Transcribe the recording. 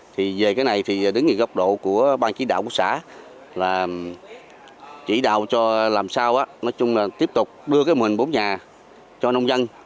thì về cái này thì đến góc độ của ban chỉ đạo quốc xã là chỉ đạo cho làm sao nói chung là tiếp tục đưa cái mô hình bốn nhà cho nông dân